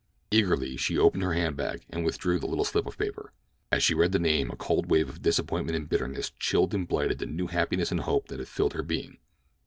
Eagerly she opened her hand bag and withdrew the little slip of paper. As she read the name a cold wave of disappointment and bitterness chilled and blighted the new happiness and hope that had filled her being.